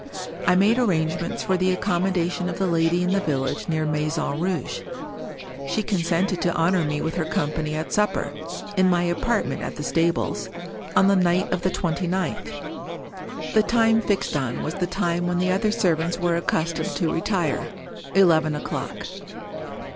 I made arrangements for the accommodation of the lady in the village near Maison Rouge. She consented to honor me with her company at supper, in my apartment at the stables, on the night of the twenty ninth. The time fixed on was the time when the other servants were accustomed to retire — eleven o'clock.